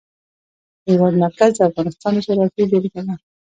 د هېواد مرکز د افغانستان د جغرافیې بېلګه ده.